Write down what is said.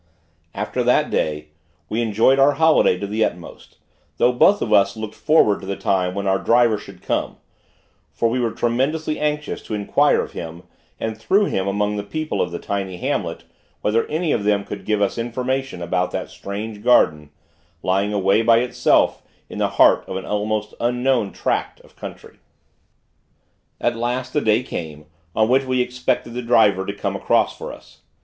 After that day, we enjoyed our holiday to the utmost; though both of us looked forward to the time when our driver should come; for we were tremendously anxious to inquire of him, and through him among the people of the tiny hamlet, whether any of them could give us information about that strange garden, lying away by itself in the heart of an almost unknown tract of country. At last, the day came, on which we expected the driver to come across for us.